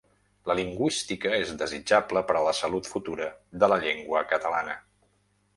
La lingüística és desitjable per a la salut futura de la llengua catalana.